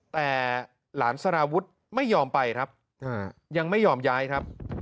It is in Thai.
แต่หลานสารวุฒิไม่ยอมไปครับยังไม่ยอมย้ายครับ